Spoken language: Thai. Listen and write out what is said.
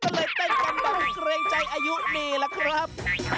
ก็เลยเต้นกันบ้างเกรงใจอายุนี่ล่ะครับ